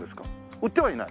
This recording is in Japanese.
売ってはいない？